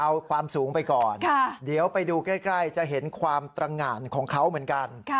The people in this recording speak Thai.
เอาความสูงไปก่อนเดี๋ยวไปดูใกล้จะเห็นความตรงานของเขาเหมือนกัน